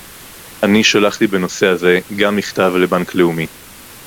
אני שלחתי בנושא הזה גם מכתב לבנק לאומי